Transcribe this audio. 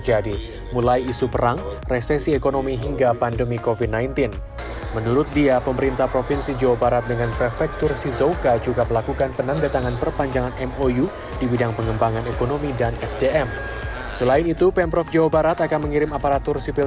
dalam hubungan kewirausahaan terdapat beberapa hal